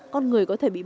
con người có thể bị bệnh